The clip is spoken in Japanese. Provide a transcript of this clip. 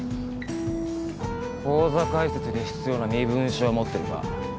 口座開設に必要な身分証持ってるか？